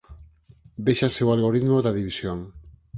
Véxase o algoritmo da división.